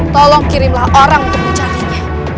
tolong kirimlah orang untuk mencarinya